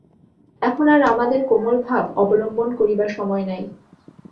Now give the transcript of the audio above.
এখন আর আমাদের কোমলভাব অবলম্বন করিবার সময় নাই।